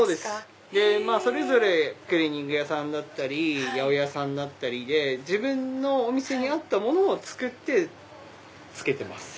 それぞれクリーニング屋さんだったり八百屋さんだったりでお店に合ったものを付けてます。